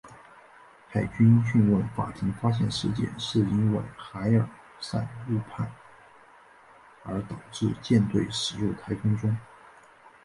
海军讯问法庭发现事件是因为海尔赛误判而导致舰队驶进台风中。